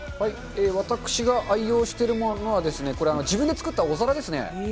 私が愛用しているものは、これ、自分で作ったお皿ですね。